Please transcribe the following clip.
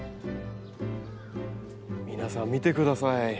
皆さん見てください。